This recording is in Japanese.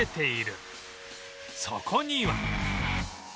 そこには